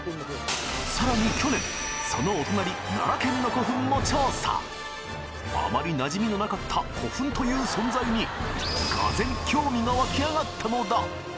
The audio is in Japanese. さらに去年そのお隣奈良県の古墳も調査あまり馴染みのなかった古墳という存在に俄然興味が湧きあがったのだ！